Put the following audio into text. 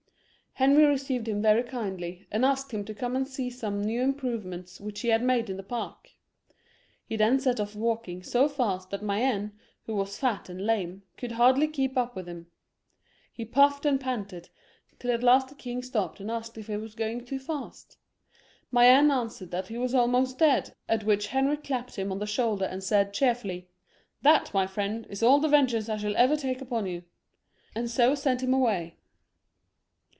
Henry received him very kindly, and asked him to come and see some new improvements which he had made in the park. He then set off walking so fast that Mayenne, who was fat and lame, could hardly keep up with him. He puffed and panted, till at last the king stopped and asked whether he were going too fast. Mayenne answered that he was almost dead, at which Henry clapped him on the shoulder and said, cheerfully, " That, my friend, is all the vengeance I shall ever take upon you ;" and so sent him away.